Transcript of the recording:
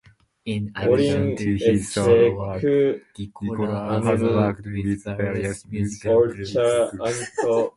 In addition to his solo work, DiCola has worked with various musical groups.